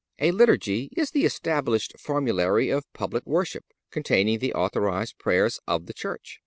A Liturgy is the established formulary of public worship, containing the authorized prayers of the Church.